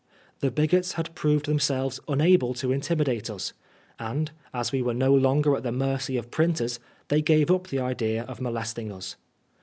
The bigots had proved themselves unable to intimidate us, and as we were no longer at the mercy of printers they gave up the idea of molesting us.